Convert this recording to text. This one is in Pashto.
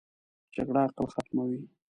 جګړه عقل ختموي